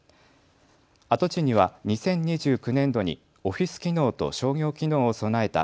跡地には２０２９年度にオフィス機能と商業機能を備えた